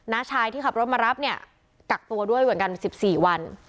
้าชายที่ขับรถมารับเนี่ยกักตัวด้วยเหมือนกัน๑๔วัน